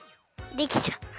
できた？